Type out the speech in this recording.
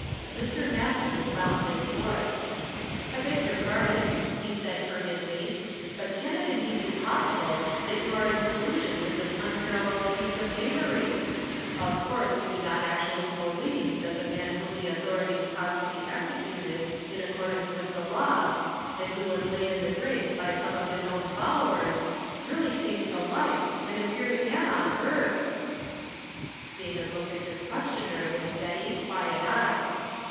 Mv, ^Masters found his voice. "I beg your pardon," he said hurriedly; "but can it indeed be possible that you are in collusion with this unparalleled piece of 'knavery? Of course you do not actually believe that the man whom the authorities caused to be executed in accordii.ice with the law, and who was laid in the grave by some of his own followers, really came to life, and appeared again on earth !" David looked at his questioner with steady, quiet eyes.